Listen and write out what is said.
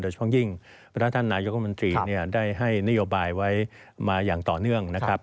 โดยเฉพาะยิ่งประธานาคมันตรีได้ให้นโยบายไว้มาอย่างต่อเนื่องนะครับ